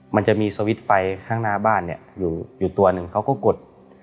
มันจะมีสวิตช์ไฟข้างหน้าบ้านเนี่ยอยู่ตัวหนึ่งเขาก็กด